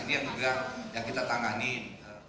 ini yang juga yang kita tanganin